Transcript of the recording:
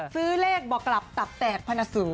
ซื้อเลขบอกกลับตับแตกพันสูง